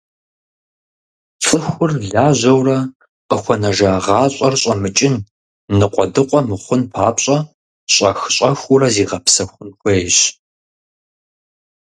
ЦӀыхур лажьэурэ къыхуэнэжа гуащӀэр щӀэмыкӀын, ныкъуэдыкъуэ мыхъун папщӀэ, щӏэх-щӏэхыурэ зигъэпсэхун хуейщ.